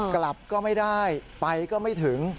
กลับก็ไม่ได้ไปก็ไม่ถึง